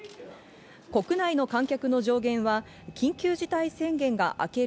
国内の観客の上限は緊急事態宣言が明ける